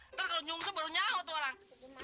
ntar kalo nyungse baru nyawa tuh orang